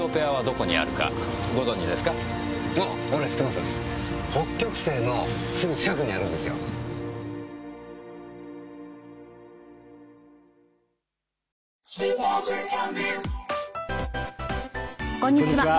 こんにちは。